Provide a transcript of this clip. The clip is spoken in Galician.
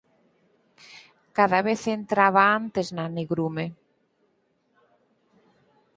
Cada vez entraba antes na negrume.